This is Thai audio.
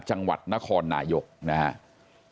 จังหวัดนครนายกนะครับ